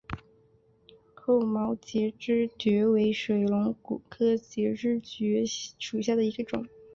厚毛节肢蕨为水龙骨科节肢蕨属下的一个种。